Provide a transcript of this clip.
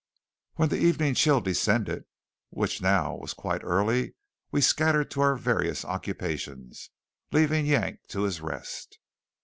When the evening chill descended, which now was quite early, we scattered to our various occupations, leaving Yank to his rest.